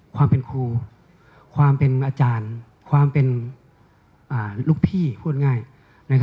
ความเป็นครูความเป็นอาจารย์ความเป็นลูกพี่พูดง่าย